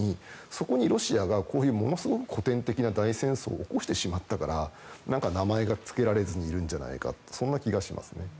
そこにロシアがものすごく古典的な大戦争を起こしてしまったから名前が付けられずにいるんじゃないかという気がします。